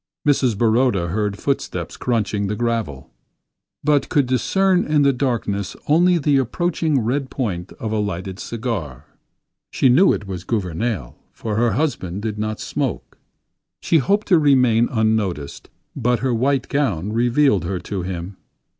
Mrs. Baroda heard footsteps crunching the gravel; but could discern in the darkness only the approaching red point of a lighted cigar. She knew it was Gouvernail, for her husband did not smoke. She hoped to remain unnoticed, but her white gown revealed her to him.